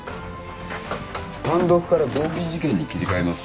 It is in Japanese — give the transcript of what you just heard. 単独から合議事件に切り替えます。